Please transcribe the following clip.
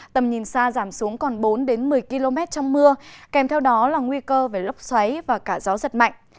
tầm nhìn xa giảm xuống còn bốn một mươi km trong mưa kèm theo đó là nguy cơ về lốc xoáy và cả gió giật mạnh